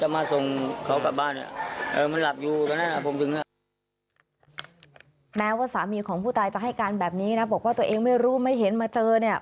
แม้ว่าสามีของผู้ตายจะให้การแบบนี้นะบอกว่าตัวเองไม่รู้ไม่เห็นมาเจอเนี่ย